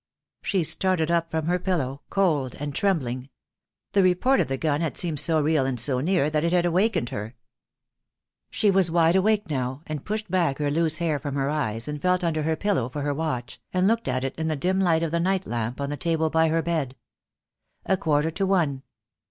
She started up from her pillow, cold and trembling. That report of the gun had seemed so real and so near, that it had awakened her. She was wide awake now, and pushed back her loose hair from her eyes, and felt under her pillow for her watch, and looked at it in the dim light of the nightlamp on the table by her bed. "A quarter to one."